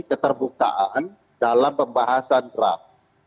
keterbukaan dalam pembahasan graf